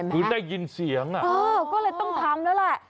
คือก็เลยต้องทำแล้วแหละ